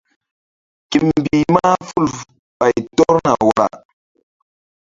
Ke mbih mahful ɓay tɔrna wara.